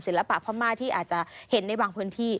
ปะพม่าที่อาจจะเห็นในบางพื้นที่